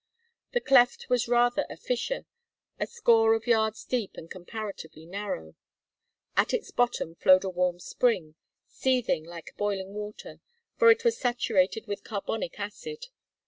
The cleft was rather a fissure, a score of yards deep and comparatively narrow. At its bottom flowed a warm spring, seething like boiling water, for it was saturated with carbonic acid.